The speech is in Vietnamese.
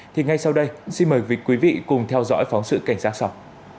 thì ngay sau đây xin mời quý vị cùng theo dõi phóng sự cảnh giác sau